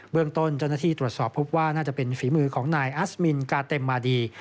เรื่องต้นเจ้าหน้าที่ตรวจสอบพบว่าน่าจะเป็นฝีมือของนายอัสมินกาเต็มมาดี